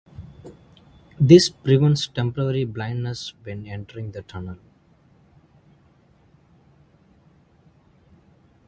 This prevents temporary blindness when entering the tunnel.